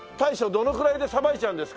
どのくらいでさばいちゃうんですか？